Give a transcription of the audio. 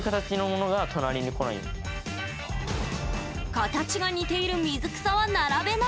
形が似ている水草は並べない。